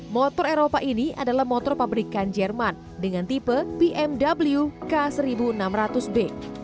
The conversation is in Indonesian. motor eropa ini adalah motor pabrikan jerman dengan tipe bmw k seribu enam ratus b